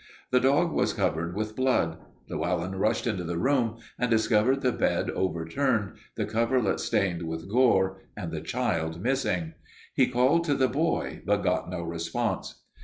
The dog was covered with blood. Llewelyn rushed into the room and discovered the bed overturned, the coverlet stained with gore, and the child missing. He called to the boy but got no response.